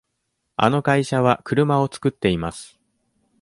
あの会社は車を作っています。